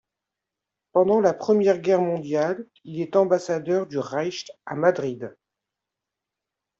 Pendant la Première Guerre mondiale, il est ambassadeur du Reich à Madrid.